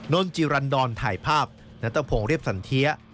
นนจิรันดรถ่ายภาพณตะพงศ์เรียบสันเทีย